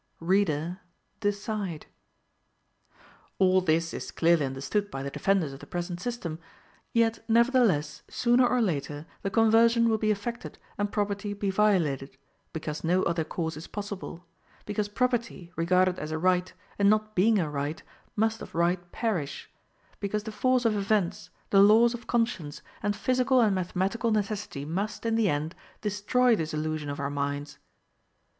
Reader, decide! All this is clearly understood by the defenders of the present system. Yet, nevertheless, sooner or later, the conversion will be effected and property be violated, because no other course is possible; because property, regarded as a right, and not being a right, must of right perish; because the force of events, the laws of conscience, and physical and mathematical necessity must, in the end, destroy this illusion of our minds.